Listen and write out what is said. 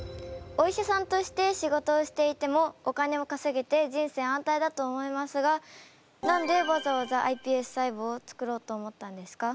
お医者さんとして仕事をしていてもお金をかせげて人生安泰だと思いますがなんでわざわざｉＰＳ細胞を作ろうと思ったんですか？